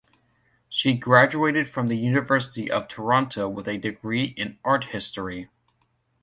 She graduated from the University of Toronto with a degree in art history.